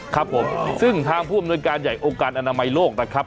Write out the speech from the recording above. ครับผมซึ่งทางผู้อำนวยการใหญ่องค์การอนามัยโลกนะครับ